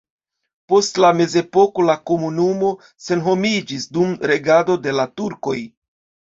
Post la mezepoko la komunumo senhomiĝis dum regado de la turkoj.